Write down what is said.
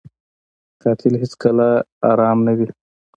قاتل هېڅکله ارامه نه وي